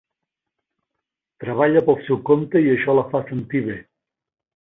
Treballa pel seu compte i això la fa sentir bé.